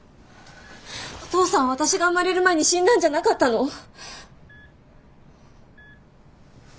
お父さん私が生まれる前に死んだんじゃなかったの？